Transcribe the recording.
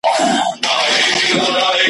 له سره لمر او له ګرمۍ به کړېدله `